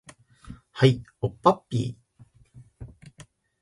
はい、おっぱっぴー